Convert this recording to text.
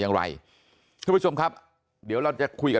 อย่างไรทุกผู้ชมครับเดี๋ยวเราจะคุยกับ